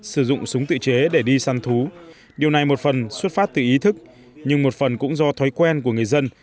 sử dụng súng tự chế để đi săn thú điều này một phần xuất phát từ ý thức nhưng một phần cũng do thói quen của người dân